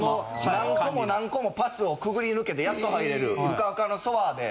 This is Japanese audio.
何個も何個もパスをくぐり抜けてやっと入れるふかふかのソファで。